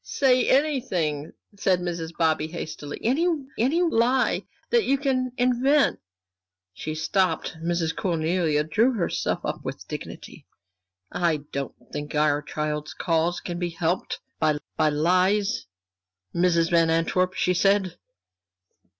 "Say anything," said Mrs. Bobby, hastily, "any any lie that you can invent." She stopped. Miss Cornelia drew herself up with dignity. "I don't think our child's cause can be helped by by lies, Mrs. Van Antwerp," she said.